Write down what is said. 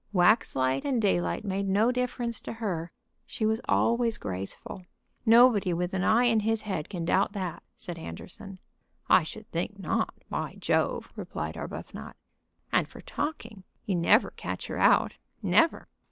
Waxlight and daylight made no difference to her. She was always graceful. "Nobody with an eye in his head can doubt that," said Anderson. "I should think not, by Jove!" replied Arbuthnot. "And for talking, you never catch her out; never."